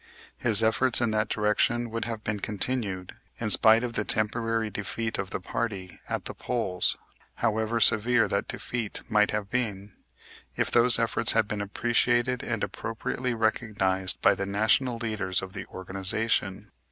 His efforts in that direction would have been continued, in spite of the temporary defeat of the party at the polls, however severe that defeat might have been, if those efforts had been appreciated and appropriately recognized by the national leaders of the organization.